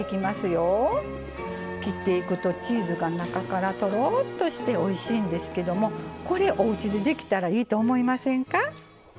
切っていくとチーズが中からとろっとしておいしいんですけどもこれおうちでできたらいいと思いませんか？